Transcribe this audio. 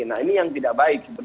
nah ini yang tidak baik